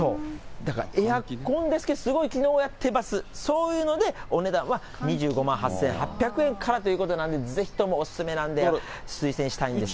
だからエアコンですけど、すごい機能やってます、そういうので、お値段は２５万８８００からということなんでお勧めなんで、推薦したいんですよ。